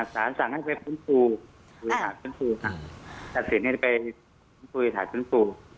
สารสั่งให้ไปฟื้นฟูฟื้นฟูค่ะจัดสินให้ไปฟื้นฟู